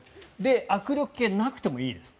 握力計がなくてもいいです。